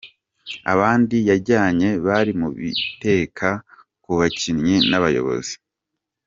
Abandi yajyanye bari mu bita ku bakinnyi n’abayobozi:.